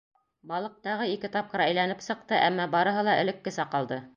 Балыҡ тағы ике тапҡыр әйләнеп сыҡты, әммә барыһы ла элеккесә ҡалды.